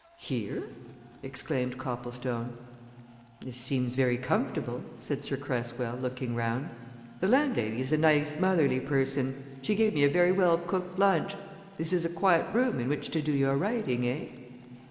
"Here?" exclaimed Copplestone. "This seems very comfortable," said Sir Cresswell, looking round. "The landlady is a nice, motherly person; she gave me a very well cooked lunch; this is a quiet room in which to do your writing, eh?"